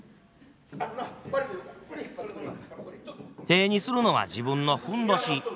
手にするのは自分のふんどし。